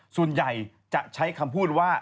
ส่วนใหญ่จะใช้คำพูดว่า